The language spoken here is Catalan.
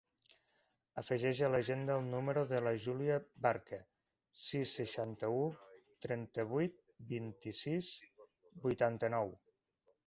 Afegeix a l'agenda el número de la Júlia Barca: sis, seixanta-u, trenta-vuit, vint-i-sis, vuitanta-nou.